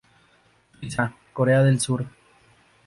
Suiza, Corea del Sur.